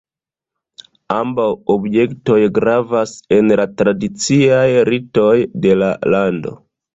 Ambaŭ objektoj gravas en la tradiciaj ritoj de la lando.